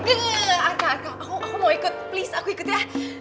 enggak enggak arka arka aku mau ikut please aku ikut ya